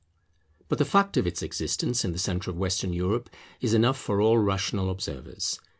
But the fact of its existence in the centre of Western Europe is enough for all rational observers.